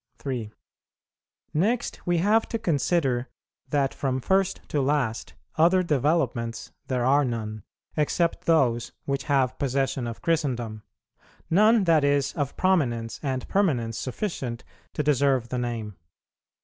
3. Next, we have to consider that from first to last other developments there are none, except those which have possession of Christendom; none, that is, of prominence and permanence sufficient to deserve the name.